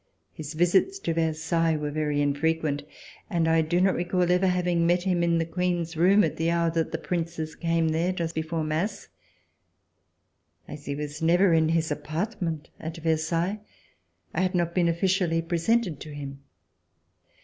His visits to Versailles were very infrequent, and I do not recall ever having met him in the Queen's room at the hour that the Princes came there just before the mass. As he never was in his appartement at Versailles, I had not been officially presented to him.